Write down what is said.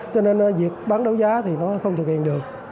cho nên việc bán đấu giá thì nó không thực hiện được